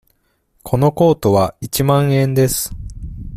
このコートは一万円です。